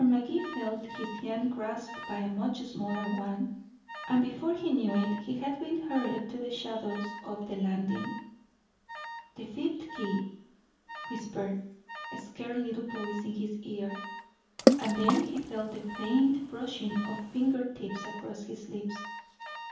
Magee felt his hand grasped by a much smaller one, and before he knew it he had been hurried to the shadows of the landing. "The fifth key," whispered a scared little voice in his ear. And then he felt the faint brushing of finger tips across his lips.